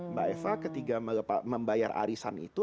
mbak eva ketika membayar arisan itu